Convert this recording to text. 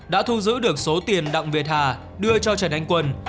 đã thu giữ được số tiền đặng việt hà đưa cho trần anh quân